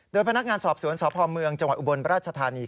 โดยพนักงานสอบสวนสพเมืองจังหวัดอุบลราชธานี